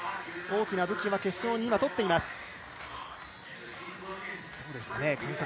大きな武器は決勝にとっています。